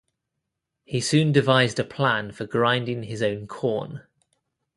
He soon devised a plan for grinding his own corn.